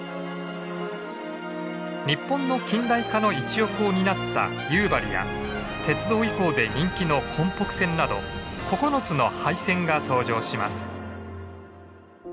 日本の近代化の一翼を担った夕張や鉄道遺構で人気の根北線など９つの廃線が登場します。